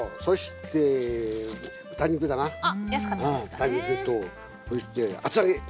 豚肉とそして厚揚げ。